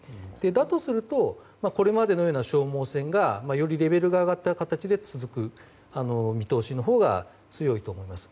だとするとこれまでのような消耗戦がよりレベルが上がった形で続く見通しのほうが強いと思います。